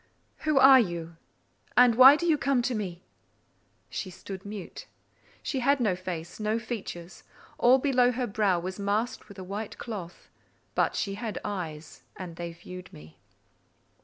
"Who are you? and why do you come to me?" She stood mute. She had no face—no features: all below her brow was masked with a white cloth; but she had eyes, and they viewed me.